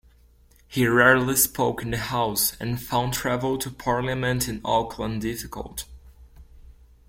He rarely spoke in the house and found travel to parliament in Auckland difficult.